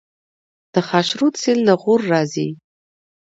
د خاشرود سیند له غور راځي